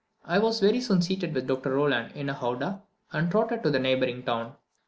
I was very soon seated with Dr. Rolland in the howdah, and trotted to the neighbouring town.